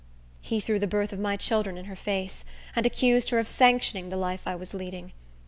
He threw the birth of my children in her face, and accused her of sanctioning the life I was leading.